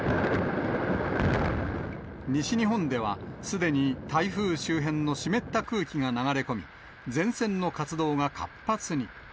西日本ではすでに台風周辺の湿った空気が流れ込み、前線の活動が活発に。